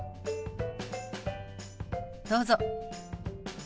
どうぞ。